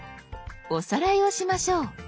おさらいをしましょう。